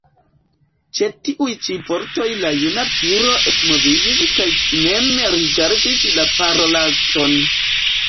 Ĉe tiuj ĉi vortoj la juna viro ekmoviĝis kaj timeme rigardis la parolanton.